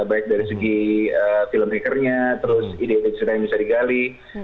baik dari segi film hackernya terus ide ide cerita yang bisa digali